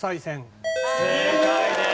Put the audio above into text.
正解です。